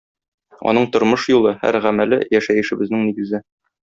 Аның тормыш юлы, һәр гамәле - яшәешебезнең нигезе.